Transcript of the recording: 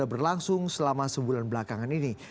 dan berlangsung selama sebulan belakangan ini